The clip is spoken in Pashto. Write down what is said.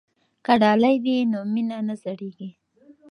که ډالۍ وي نو مینه نه زړیږي.